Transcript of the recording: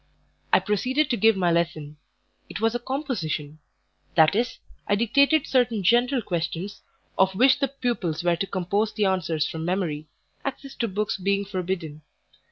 I proceeded to give my lesson; it was a "Composition," i.e., I dictated certain general questions, of which the pupils were to compose the answers from memory, access to books being forbidden.